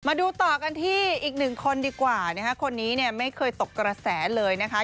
มาดูต่อกันที่อีกหนึ่งคนดีกว่านะคะคนนี้เนี่ยไม่เคยตกกระแสเลยนะคะ